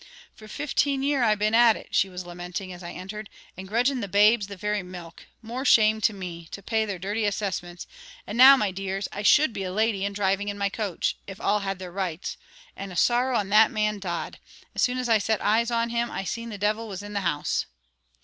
"For fifteen year I've been at ut," she was lamenting, as I entered, "and grudging the babes the very milk, more shame to me! to pay their dhirty assessments. And now, my dears, I should be a lady, and driving in my coach, if all had their rights; and a sorrow on that man Dodd! As soon as I set eyes on him, I seen the divil was in the house."